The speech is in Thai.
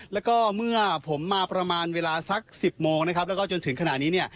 แล้วก็เมื่อผมมาประมาณเวลาสัก๑๐โมงนะครับแล้วก็จนถึงขณะนี้เนี่ย